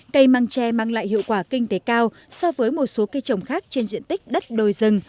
cây măng tre mang lại hiệu quả kinh tế cao so với một số cây trồng khác trên diện tích đất đồi rừng